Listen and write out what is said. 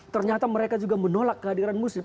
ternyata mereka juga menolak kehadiran muslim